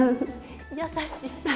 優しい。